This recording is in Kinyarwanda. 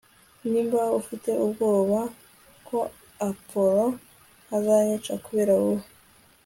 nimba ufite ubwoba ko appolo azanyica kubera wowe